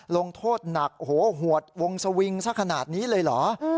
ลงโทษหนักโอ้โหหวดวงสวิงสักขนาดนี้เลยเหรอ